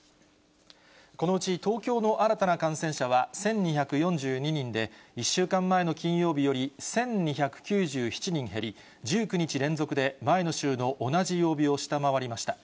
このうち、東京の新たな感染者は１２４２人で、１週間前の金曜日より１２９７人減り、１９日連続で前の週の同じ曜日を下回りました。